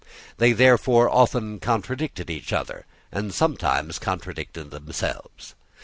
They therefore often contradicted each other and sometimes contradicted themselves.